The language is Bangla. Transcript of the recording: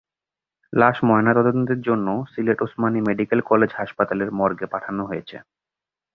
লাশ ময়নাতদন্তের জন্য সিলেট ওসমানী মেডিকেল কলেজ হাসপতালের মর্গে পাঠানো হয়েছে।